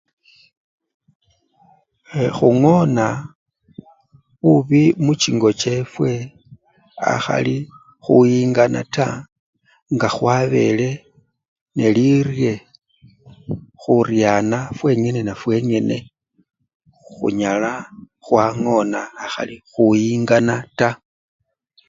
Eeee! khungona bubi muchingo chefwe akhali khuyingana taa nga khwabele nelirye, khuryana fwengene nafwengene, khunyala khwangona akhali khuyingana taa